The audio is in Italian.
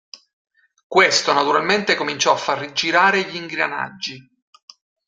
Questo naturalmente cominciò a far girare gli ingranaggi!